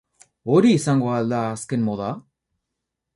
Hori izango al da azken moda?